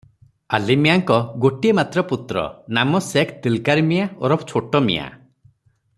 "ଆଲିମିଆଁଙ୍କ ଗୋଟିଏ ମାତ୍ର ପୁତ୍ର, ନାମ ସେଖ୍ ଦିଲ୍କାର ମିଆଁ ଓରଫ ଛୋଟମିଆଁ ।